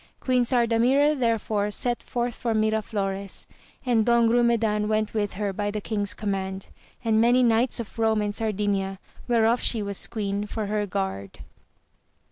Queen Sardamira therefore set forth for Miraflores, and Don GrumeJan went with her by the king's command, and many knights of Eome and Sardinia, whereof she was queen, for her guard.